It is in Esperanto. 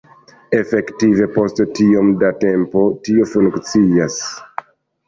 Efektive, post iom da tempo, tio funkcias.